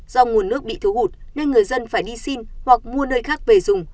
do nguồn nước bị thiếu hụt nên người dân phải đi xin hoặc mua nơi khác về dùng